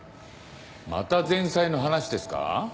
また前妻の話ですか？